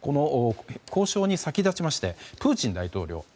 交渉に先立ちましてプーチン大統領